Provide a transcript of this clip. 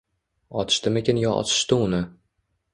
Otishdimikin yo osishdi uni?